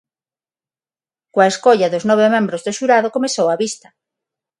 Coa escolla dos nove membros do xurado, comezou a vista.